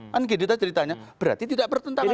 kan gitu ceritanya berarti tidak bertentangan